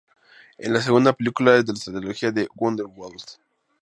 Es la segunda película de la tetralogía de "Underworld".